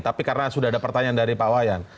tapi karena sudah ada pertanyaan dari pak wayan